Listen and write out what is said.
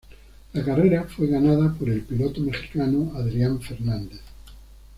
La carrera fue ganada por el piloto mexicano Adrián Fernández.